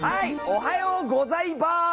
おはようございバース！